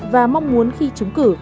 và mong muốn khi chúng cử